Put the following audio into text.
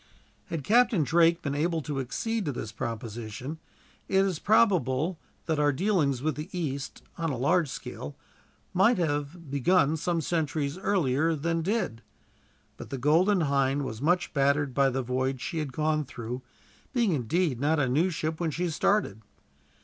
Had Captain Drake been able to accede to this proposition, it is probable that our dealings with the East, on a large scale, might have begun some centuries earlier than they did; but the Golden Hind was much battered by the voyage she had gone through, being, indeed, not a new ship when she started.